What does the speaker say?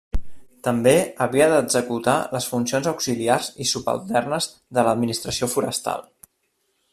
També havia d'executar les funcions auxiliars i subalternes de l'Administració Forestal.